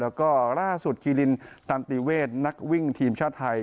แล้วก็ล่าสุดคีลินตันติเวทนักวิ่งทีมชาติไทย